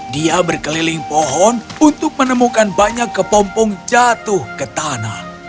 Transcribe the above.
dia berkeliling pohon untuk menemukan banyak kepompong jatuh ke tanah